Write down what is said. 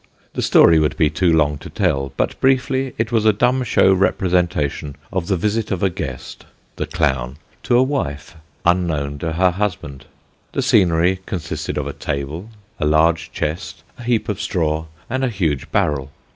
The story would be too long to tell; but briefly, it was a dumb show representation of the visit of a guest (the clown) to a wife, unknown to her husband. The scenery consisted of a table, a large chest, a heap of straw and a huge barrel.